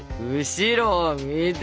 後ろを見て！